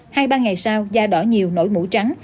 hai ba ngày sau da đỏ nhiều nổi mũ trắng